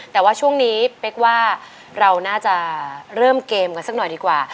แต่ว่าช่วงนี้เป๊กว่าเราน่าจะเริ่มเกมกันสักหน่อยดีกว่า